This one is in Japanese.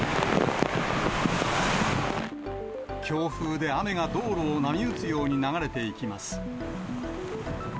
強風で雨が道路を波打つように流れていきます。